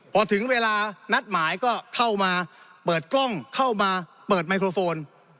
พอถึงเวลานัดหมายก็เข้ามาเปิดกล้องเข้ามาเปิดไมโครโฟน